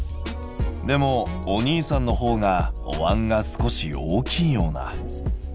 でもお兄さんのほうがおわんが少し大きいような。